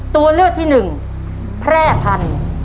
ตัวเลือกที่หนึ่งแพร่พันธุ์